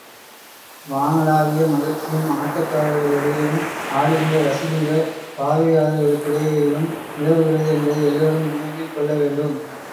வானளாவிய மகிழ்ச்சியும் ஆட்டக்காரர் களிடையிலும், ஆடுகின்ற ரசிக்கின்ற பார்வையாளர்களுக்கிடையிலும் நிலவுகிறது என்பதை எல்லோரும் நினைவில் கொள்ள வேண்டும்.